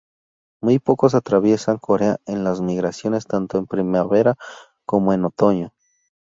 Muy pocos atraviesan Corea en las migraciones tanto en primavera como en otoño.